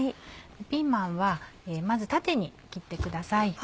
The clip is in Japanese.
ピーマンはまず縦に切ってください。